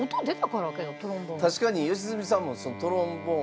確かに良純さんもトロンボーン音。